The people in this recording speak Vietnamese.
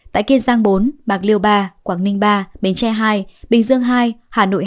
tại kiên giang bốn bạc liêu ba quảng ninh ba bến tre hai bình dương hai hà nội